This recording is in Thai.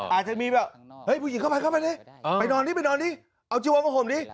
อาจจะมีแบบเฮ้ยผู้หญิงเข้าไปเลยไปนอนนี่เอาจีวอนข้างห่วงนี้